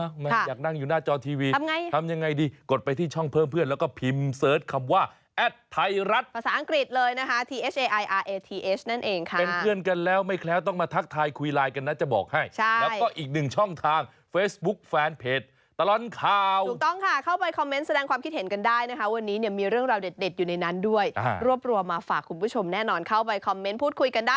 เทพธนาคารกรุงเทพธนาคารกรุงเทพธนาคารกรุงเทพธนาคารกรุงเทพธนาคารกรุงเทพธนาคารกรุงเทพธนาคารกรุงเทพธนาคารกรุงเทพธนาคารกรุงเทพธนาคารกรุงเทพธนาคารกรุงเทพธนาคารกรุงเทพธนาคารกรุงเทพธนาคารกรุงเทพธนาคารกรุงเทพธนาคารกรุงเทพธนาคารกรุง